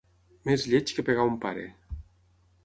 Més lleig que pegar a un pare.